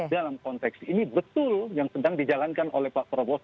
dalam konteks ini betul yang sedang dijalankan oleh pak prabowo